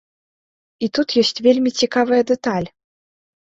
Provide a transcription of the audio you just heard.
І тут ёсць вельмі цікавая дэталь.